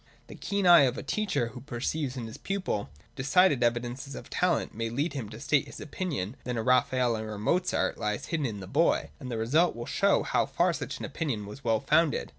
The keen eye of a teacher who perceives in his pupil decided evidences of talent, may lead him to state his opinion that a Raphael or a Mozart lies hidden in the boy : and the result will show how far such an opinion was well founded.